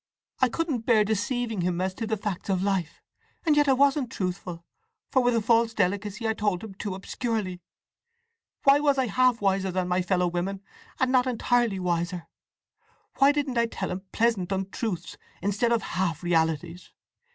I couldn't bear deceiving him as to the facts of life. And yet I wasn't truthful, for with a false delicacy I told him too obscurely.—Why was I half wiser than my fellow women? And not entirely wiser! Why didn't I tell him pleasant untruths, instead of half realities?